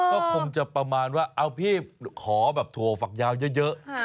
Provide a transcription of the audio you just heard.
ก็คงจะประมาณว่าเอาพี่ขอแบบถั่วฝักยาวเยอะ